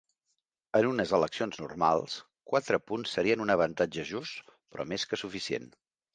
En unes eleccions normals, quatre punts serien un avantatge just però més que suficient.